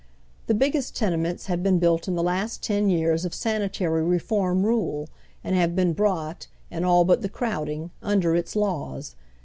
The biggest tenements have been built in the last ten years of sanitary reform rule, and have been brought, in all but the crowding, under its laws.